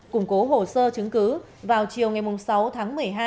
củng cố hồ sơ chứng cứ vào chiều ngày sáu tháng một mươi hai